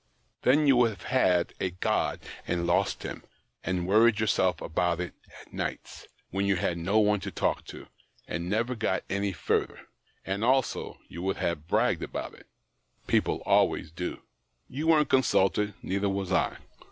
Then you would have had a God and lost Him, and worried yourself about it at nights, when you had no one to talk to, and never got any further ; and also you would have bragged about it — people always do. You weren't consulted, neither was I.